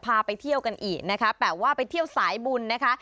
ไปเที่ยวกันอีกนะคะแต่ว่าไปเที่ยวสายบุญนะคะ